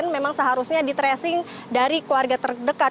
memang seharusnya di tracing dari keluarga terdekat